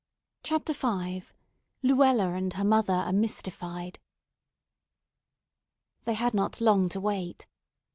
CHAPTER V LUELLA AND HER MOTHER ARE MYSTIFIED THEY had not long to wait.